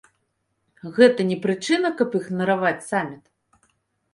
Гэта не прычына, каб ігнараваць саміт?